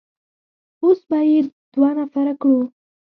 اوس به يې دوه نفره کړو.